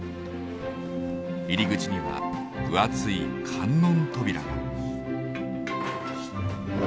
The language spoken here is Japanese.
入り口には分厚い観音扉が。